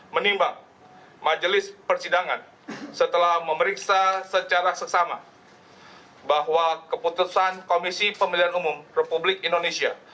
menimbang majelis persidangan setelah memeriksa secara sesama bahwa keputusan komisi pemilihan umum republik indonesia